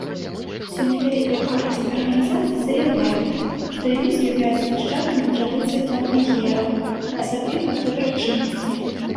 Сёння вялікая колькасць арганізацый заяўляе, што яны з'яўляюцца нашчадкамі традыцый тампліераў, асабліва дабрачыннасці.